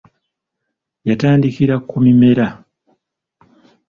Yatandikira ku Mimera.